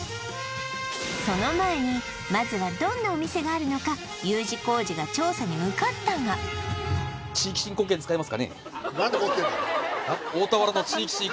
その前にまずはどんなお店があるのかＵ字工事が調査に向かったが何で持ってんの？